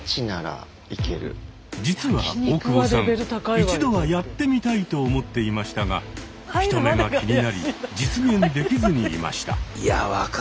実は大久保さん一度はやってみたいと思っていましたが人目が気になり実現できずにいました。